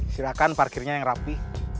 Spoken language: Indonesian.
silahkan parkirnya yang rapi